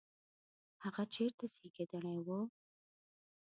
هغه چیرته زیږېدلی و؟